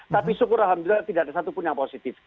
tapi syukur alhamdulillah tidak ada satupun yang positif